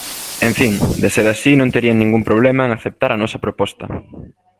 En fin, de ser así non terían ningún problema en aceptar a nosa proposta.